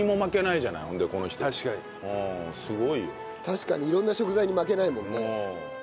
確かに色んな食材に負けないもんね。